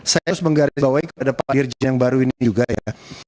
saya harus menggaris bawah ini kepada pak dirjian yang baru ini juga ya